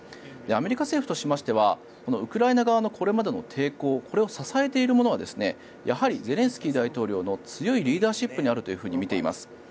アメリカ政府としてはウクライナのこれまでの抵抗を支えているものはやはりゼレンスキー大統領の強いリーダーシップにあると見ています。